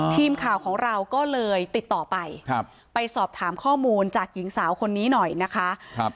ทีมข่าวของเราก็เลยติดต่อไปครับไปสอบถามข้อมูลจากหญิงสาวคนนี้หน่อยนะคะครับ